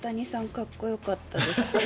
かっこよかったです。